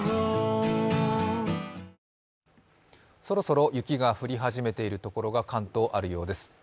そろそろ雪が降り始めているところが、関東にあるようです。